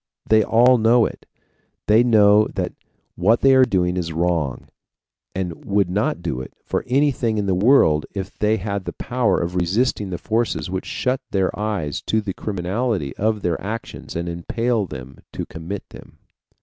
They all know it. They know that what they are doing is wrong, and would not do it for anything in the world if they had the power of resisting the forces which shut their eyes to the criminality of their actions and impel them to commit them.